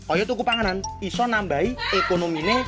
oya tuku panganan bisa menambah ekonominya